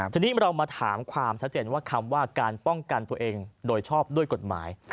ทีนี้เรามาถามความชัดเจนว่าคำว่าการป้องกันตัวเองโดยชอบด้วยกฎหมาย